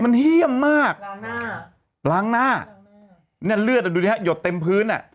มันเฮี่ยมมากล้างหน้าล้างหน้าเนี่ยเลือดอ่ะดูดิฮะหยดเต็มพื้นอ่ะ